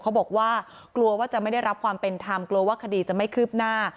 บอกว่ากลัวว่าจะไม่ได้รับความเป็นธรรมกลัวว่าคดีจะไม่คืบหน้า